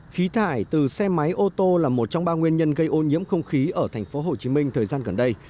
khí thải từ xe máy ô tô là một trong ba nguyên nhân gây ô nhiễm không khí ở tp hcm thời gian gần đây